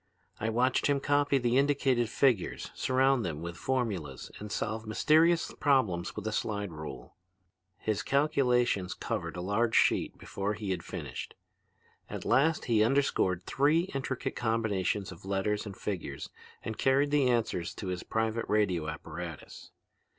I watched him copy the indicated figures, surround them with formulas, and solve mysterious problems with a slide rule. "His calculations covered a large sheet before he had finished. At last he underscored three intricate combinations of letters and figures and carried the answers to his private radio apparatus.